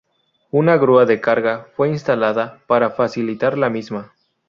Una grúa de carga fue instalada para facilitar la misma.